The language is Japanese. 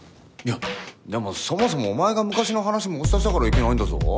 いやでもそもそもお前が昔の話持ち出したからいけないんだぞ。